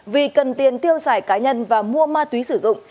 vì cần tiền tiêu xài cá nhân và mua ma túy sử dụng